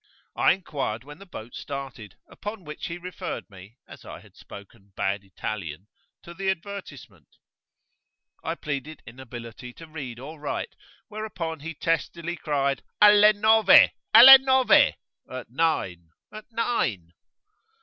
I inquired when the boat started, upon which he referred me, as I had spoken bad Italian, to the advertisement. I pleaded inability to read or write, whereupon he testily cried Alle nove! alle nove! at nine! at nine!